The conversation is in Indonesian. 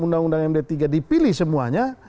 undang undang md tiga dipilih semuanya